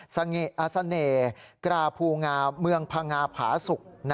สงิอาศนกราภูงามืองพังงาผสก